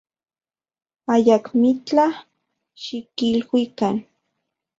Ayakmitlaj xikiluikan.